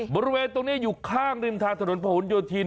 บริเวณตรงนี้อยู่ข้างริมทางถนนผนโยธิน